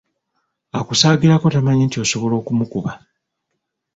Akusaagirako tamanyi nti osobola okumukuba.